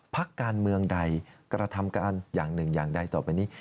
พักการเมืองใดกระทำการอย่างหนึ่งอย่างใดต่อไปนี้